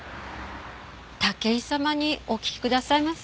武井様にお聞きくださいませ。